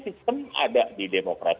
sistem ada di demokrat